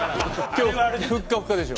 今日ふっかふかでしょ。